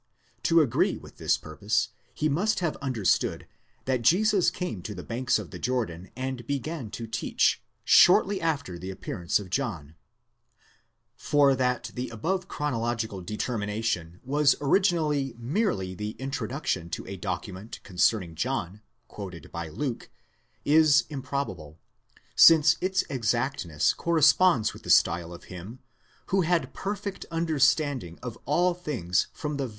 'To agree with this purpose, he must have understood that Jesus came to the banks of the Jordan and began to teach, shortly after the appearance of John.!8 For that the above chronological determination was originally merely the introduction to a document concern ing John, quoted by Luke, is improbable, since its exactness corresponds with the style of him who had perfect understanding of all things from the very 8 Michaelis, Paulus, in loc.